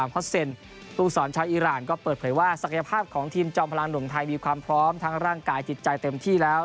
ผู้สอนชาวอีรานก็เปิดเผยว่าศักยภาพของทีมจอมพลังหนุ่มไทยมีความพร้อมทั้งร่างกายจิตใจเต็มที่แล้ว